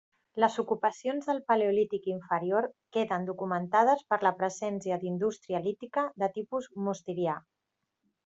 Les ocupacions del paleolític inferior queden documentades per la presència d'indústria lítica de tipus mosterià.